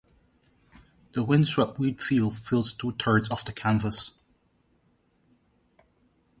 The windswept wheat field fills two-thirds of the canvas.